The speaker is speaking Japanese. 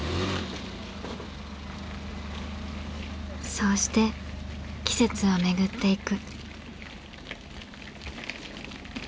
そうして季節はめぐっていく。